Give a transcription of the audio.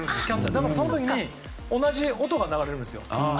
でもその時に同じ音が流れるんですよ。